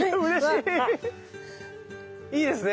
いいですね。